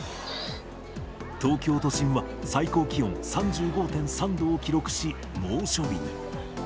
東京都心は最高気温３５．３度を記録し、猛暑日に。